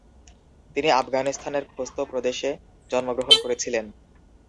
তিনি আফগানিস্তানের খোস্ত প্রদেশে জন্মগ্রহণ করেছিলেন।